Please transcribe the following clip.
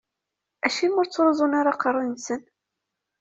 Acimi ur ttruẓun ara aqerru-nsen?